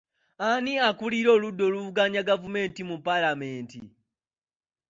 Ani akuulira oludda oluvuganya gavumenti mu paalamenti?